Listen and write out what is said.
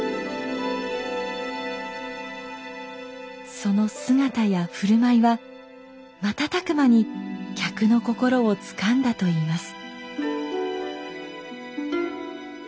その姿や振る舞いは瞬く間に客の心をつかんだといいます。